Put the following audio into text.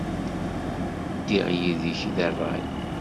Ddiɣ yid-k deg ṛṛay.